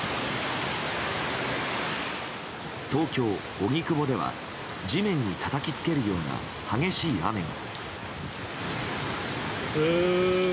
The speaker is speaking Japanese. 東京・荻窪では地面にたたきつけるような激しい雨が。